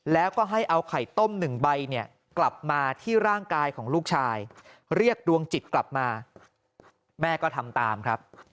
แล้วก็ให้เอาไข่ต้มหนึ่งใบเนี่ยกลับมาที่ร่างกายของลูกชายเรียกดวงจิตกลับมาแม่ก็ทำตามครับ